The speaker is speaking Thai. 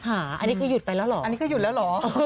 อันนี้ก็หยุดไปแล้วเหรอ